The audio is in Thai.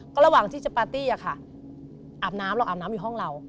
ก็ระหว่างที่จะปาร์ตี้อะค่ะอาบน้ำเราอาบน้ำอยู่ห้องเรา